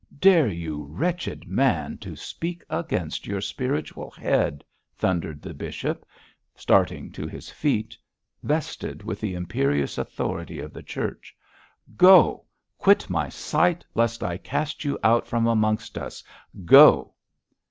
'Dare you, wretched man, to speak against your spiritual head!' thundered the bishop, starting to his feet, vested with the imperious authority of the Church. 'Go! Quit my sight, lest I cast you out from amongst us! Go!'